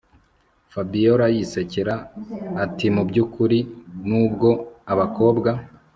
Fabiora yisekera atimubyukuri nubwo abakobwa